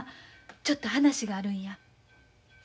ちょっと話があるんや。